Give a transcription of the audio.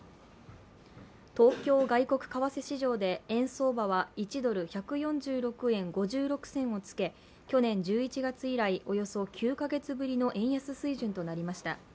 東京外国為替市場で円相場は１ドル＝１４６円５６銭をつけ去年１１月以来、およそ９か月ぶりの円安水準となりました。